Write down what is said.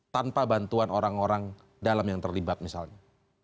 tanpa bantuan orang orang dalam yang terlibat misalnya